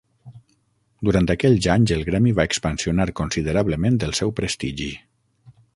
Durant aquells anys el gremi va expansionar considerablement el seu prestigi.